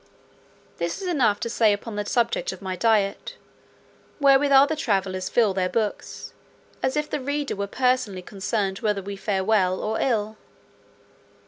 This is enough to say upon the subject of my diet, wherewith other travellers fill their books, as if the readers were personally concerned whether we fare well or ill.